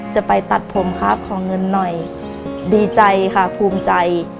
จะไปตัดผมครับขอเงินหน่อยดีใจค่ะภูมิใจ